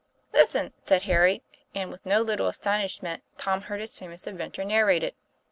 "Listen," said Harry, and with no little astonish ment Tom heard his famous adventure narrated.